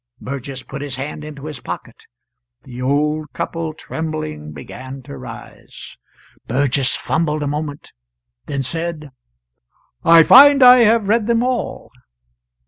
Burgess put his hand into his pocket. The old couple, trembling, began to rise. Burgess fumbled a moment, then said: "I find I have read them all."